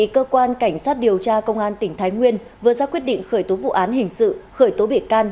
cơ quan cảnh sát điều tra công an tỉnh thái nguyên vừa ra quyết định khởi tố vụ án hình sự khởi tố bị can